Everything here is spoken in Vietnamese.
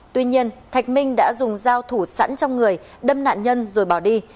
tuy nhiên thạch minh đã dùng dao thủ sẵn trong người đâm nạn nhân rồi bỏ đi